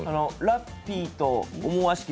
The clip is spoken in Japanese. ラッピーと思わしき